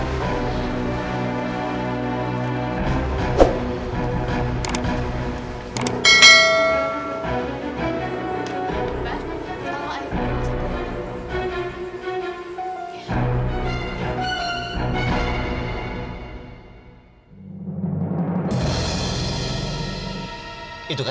kalo air tidak bisa